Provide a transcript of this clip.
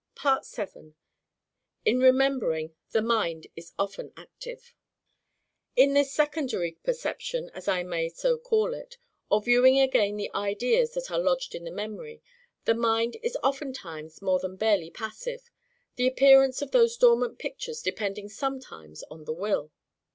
7. In Remembering, the Mind is often active. In this secondary perception, as I may so call it, or viewing again the ideas that are lodged in the memory, the mind is oftentimes more than barely passive; the appearance of those dormant pictures depending sometimes on the WILL.